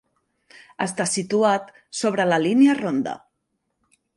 Està situat sobre la línia Rhondda.